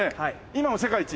今も世界一？